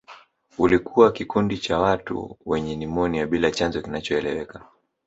Ulikuwa kikundi cha watu wenye nimonia bila chanzo kinachoeleweka